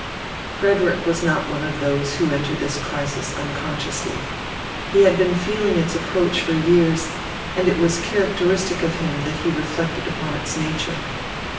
Frederick was not one of those who enter this crisis unconsciously. He had been feeling its approach for years, and it was characteristic of him that he reflected upon its nature.